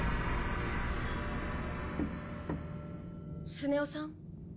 スネ夫さん。